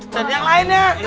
dan yang lainnya